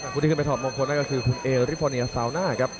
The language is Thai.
คุณที่คือไปถอบมงคลนั่นก็คือคุณเอลริฟอร์เนียซาวน่า